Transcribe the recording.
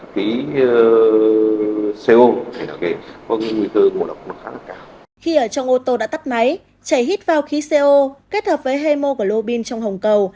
khi ở trong ô tô đã tắt máy chảy hít vào khí co kết hợp với hemo của lô pin trong hồng cầu